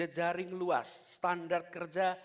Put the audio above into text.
jejaring luas standar kerja